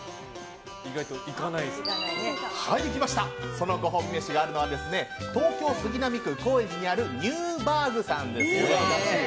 そのご褒美飯があるのは東京・杉並区高円寺にあるニューバーグさんです。